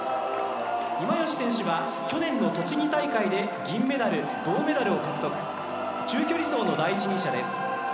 今吉選手は、去年の栃木大会で銀メダル、銅メダルを獲得中距離走の第一人者です。